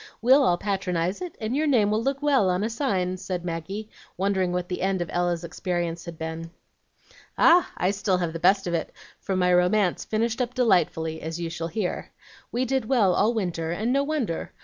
We'll all patronize it, and your name will look well on a sign," said Maggie, wondering what the end of Ella's experience had been. "Ah! I still have the best of it, for my romance finished up delightfully, as you shall hear. We did well all winter, and no wonder.